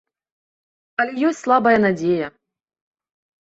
Але ёсць слабая надзея.